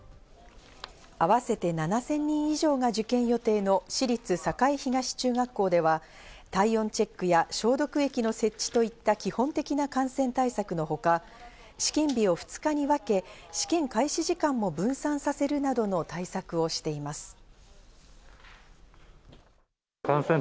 合わせて７０００人以上が受験予定の私立栄東中学校では体温チェックや消毒液の設置といった基本的な感染対策のほか、試験日を２日に分け、試験開始時間も分散させるなどの対策をしています。